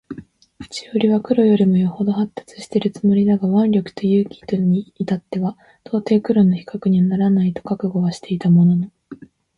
智識は黒よりも余程発達しているつもりだが腕力と勇気とに至っては到底黒の比較にはならないと覚悟はしていたものの、